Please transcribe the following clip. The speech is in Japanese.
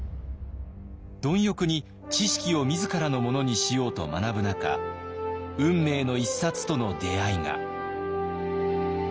貪欲に知識を自らのものにしようと学ぶ中運命の一冊との出会いが。